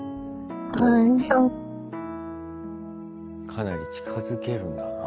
かなり近づけるんだな。